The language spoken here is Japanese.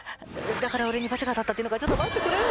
だから俺に罰が当たったっていうのかちょっと待ってくれよ